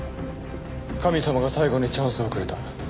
神様が最後にチャンスをくれた。